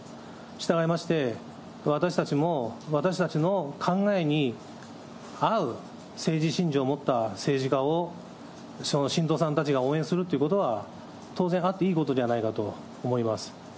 従いまして、私たちも、私たちの考えに合う政治信条を持った政治家を、その信徒さんたちが応援するということは、当然あっていいことじゃないかと思います。